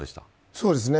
そうですね。